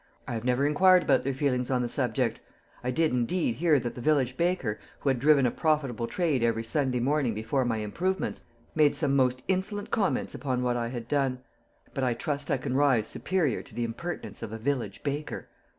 "I have never inquired about their feelings on the subject. I did indeed hear that the village baker, who had driven a profitable trade every Sunday morning before my improvements, made some most insolent comments upon what I had done. But I trust I can rise superior to the impertinence of a village baker.